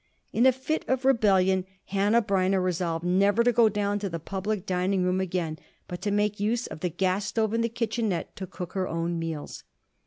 In a fit of rebellion Hanneh Breineh resolved never to go down to the public dining room again, but to make use of the gas stove in the kitchenette to cook her own meals.